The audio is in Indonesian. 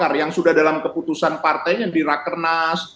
golkar yang sudah dalam keputusan partainya di rakernas